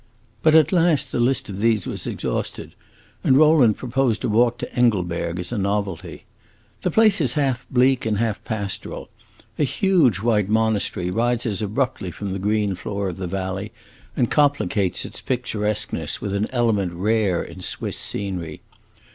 But at last the list of these was exhausted, and Rowland proposed the walk to Engelberg as a novelty. The place is half bleak and half pastoral; a huge white monastery rises abruptly from the green floor of the valley and complicates its picturesqueness with an element rare in Swiss scenery.